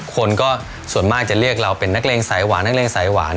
คนก็ส่วนมากจะเรียกเราเป็นนักเลงสายหวานนักเลงสายหวาน